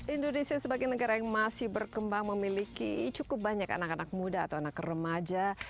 indonesia sebagai negara yang masih berkembang memiliki cukup banyak anak anak muda atau anak remaja